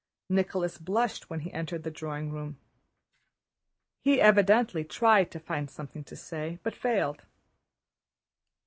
Nicholas blushed when he entered the drawing room. He evidently tried to find something to say, but failed.